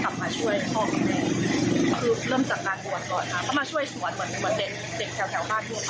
ก็มาช่วยสวนเหมือนเด็กแถวแถวฮาดทั่วไปค่ะ